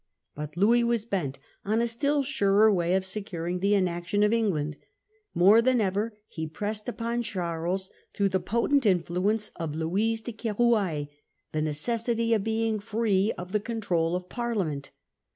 But Louis was bent on a still surer way of securing the inaction of England. More than ever he pressed upon Charles through the potent influence of Louise ofCharl^ en de Keroualle the necessity of being free of with Louis. the contro i 0 f Parliament.